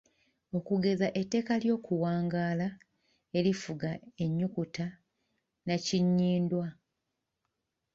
Okugeza etteeka ly’okuwangaala erifuga ennyukuta nnakinnyindwa.